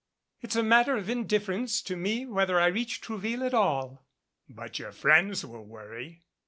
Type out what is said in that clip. "It's a matter of indif ference to me whether I reach Trouville at all " "But your friends will worry."